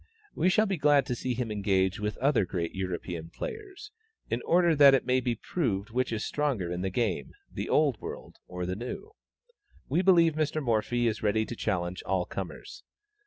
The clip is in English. We shall be glad to see him engage with other great European players, in order that it may be proved which is the stronger in the game, the Old World or the New. We believe Mr. Morphy is ready to challenge all comers.